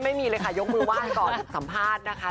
ไม่มีเลยค่ะยกมือไหว้ก่อนสัมภาษณ์นะคะ